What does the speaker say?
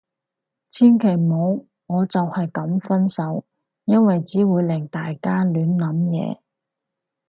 千祈唔好，我就係噉分手。因為只會令大家亂諗嘢